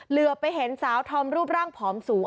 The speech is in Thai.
เหลือไปเห็นสาวธอมรูปร่างผอมสูง